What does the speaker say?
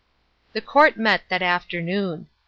The court met that afternoon.